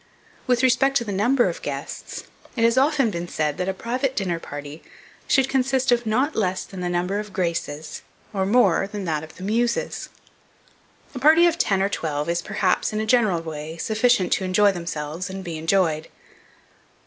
With respect to the number of guests, it has often been said, that a private dinner party should consist of not less than the number of the Graces, or more than that of the Muses. A party of ten or twelve is, perhaps, in a general way, sufficient to enjoy themselves and be enjoyed.